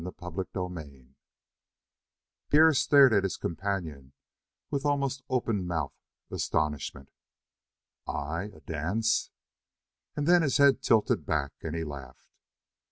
CHAPTER 16 Pierre stared at his companion with almost open mouthed astonishment. "I? A dance?" And then his head tilted back and he laughed.